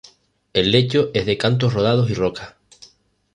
El lecho es de cantos rodados y rocas.